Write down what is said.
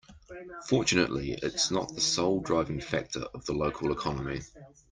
Fortunately its not the sole driving factor of the local economy.